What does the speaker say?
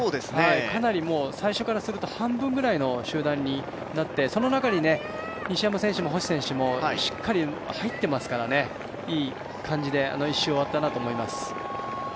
かなり、最初からすると半分ぐらいの集団になってその中に西山選手も星選手もしっかり入っていますから、いい感じで１周終わったなと思います。